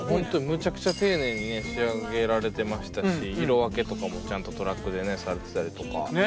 むちゃくちゃ丁寧にね仕上げられてましたし色分けとかもちゃんとトラックでねされてたりとか。ね！